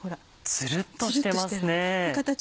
つるっとしてますね。